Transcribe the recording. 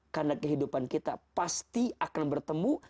karena kehidupan kita pasti akan bertemu